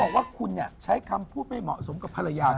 บอกว่าคุณใช้คำพูดไม่เหมาะสมกับภรรยา